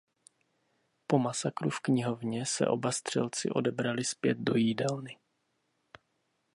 Po masakru v knihovně se oba střelci odebrali zpět do jídelny.